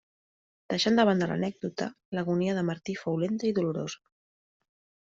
Deixant de banda l'anècdota, l'agonia de Martí fou lenta i dolorosa.